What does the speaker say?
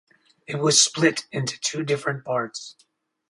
It was split into two different parts.